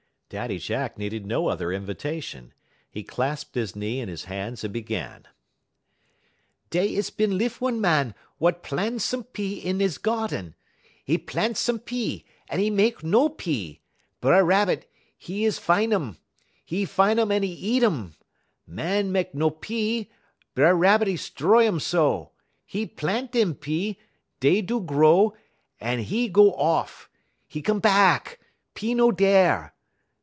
Daddy Jack needed no other invitation. He clasped his knee in his hands and began: "Dey is bin lif one Màn wut plan' some pea in 'e geerden. 'E plan' some pea, but 'e mek no pea; B'er Rabbit, 'e is fine um. 'E fine um un 'e eat um. Màn mek no pea, B'er Rabbit 'e 'stroy um so. 'E plan' dem pea; dey do grow, un 'e go off. 'E come bahk; pea no dere.